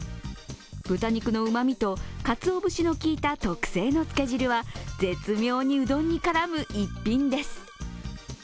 豚肉の旨みと、かつお節のきいた特製のつけ汁は絶妙にうどんに絡む逸品です。